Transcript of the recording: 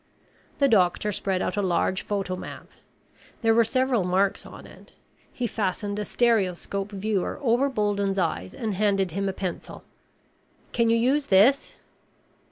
The doctor spread out a large photomap. There were several marks on it. He fastened a stereoscope viewer over Bolden's eyes and handed him a pencil. "Can you use this?"